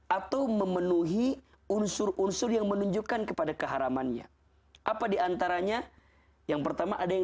atau memenuhi unsur unsur yang menunjukkan kepada keharamannya apa diantaranya yang pertama ada yang